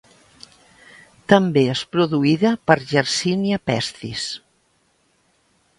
També és produïda per "Yersinia pestis".